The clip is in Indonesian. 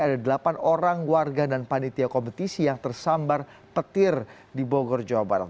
ada delapan orang warga dan panitia kompetisi yang tersambar petir di bogor jawa barat